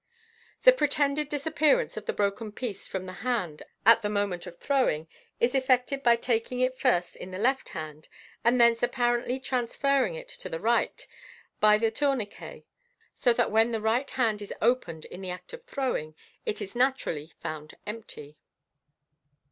The pretended disappearance of the broken piece from the hand at the moment of throwing is effected by taking it first in the left hand, and thence apparently transferring it to the right by the tourniquet, so that when the right hand is opened in the act of throwing, it is naturally found empty.